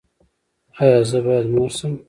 ایا زه باید مور شم؟